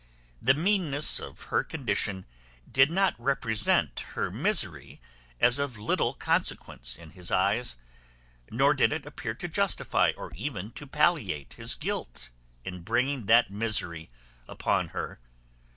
The meanness of her condition did not represent her misery as of little consequence in his eyes, nor did it appear to justify, or even to palliate, his guilt, in bringing that misery upon her.